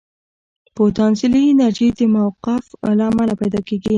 پوتانسیلي انرژي د موقف له امله پیدا کېږي.